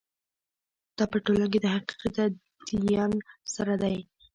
دا په ټولنه کې د حقیقي تدین سره ده.